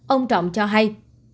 ông trọng cho hay